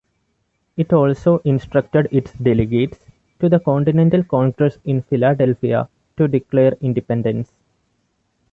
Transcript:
It also instructed its delegates to the Continental Congress in Philadelphia to declare independence.